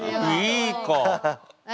いい子。